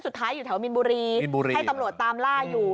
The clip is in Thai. สุดท้ายอยู่แถวมินบุรีให้ตำรวจตามล่าอยู่